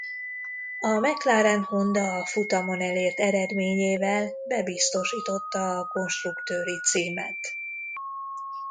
A McLaren-Honda a futamon elért eredményével bebiztosította a konstruktőri címet.